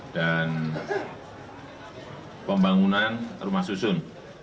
dan pembangunan rumah susun